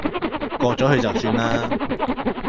過咗去就算啦